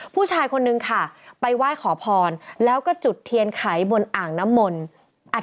ผู้ชายคนหนึ่งค่ะไปว่ายขอฝ้อนแล้วก็จุดเทียนไข่บนอ่างนะมนต์